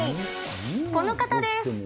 この方です。